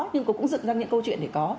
nhưng cũng dựng ra những câu chuyện để có